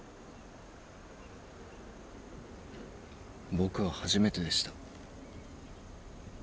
僕は初めてでした。